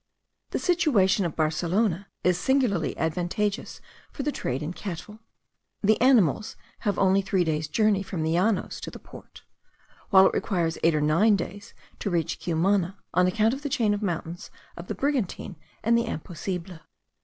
The situation of Barcelona is singularly advantageous for the trade in cattle. The animals have only three days' journey from the llanos to the port, while it requires eight or nine days to reach Cumana, on account of the chain of mountains of the Brigantine and the Imposible.